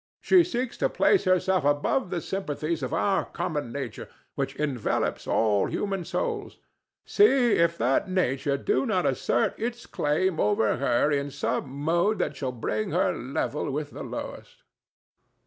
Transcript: She seeks to place herself above the sympathies of our common nature, which envelops all human souls; see if that nature do not assert its claim over her in some mode that shall bring her level with the lowest."